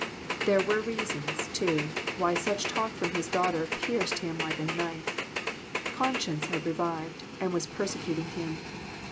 There were reasons, too, why such talk from his daughter pierced him like a knife. Conscience had revived, and was persecuting him.